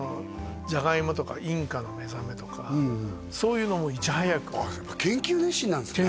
じゃがいもとかインカのめざめとかそういうのもいち早く研究熱心なんですね